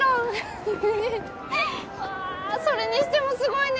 もうわそれにしてもすごいね。